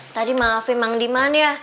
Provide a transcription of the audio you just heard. tadi maafin mang diman ya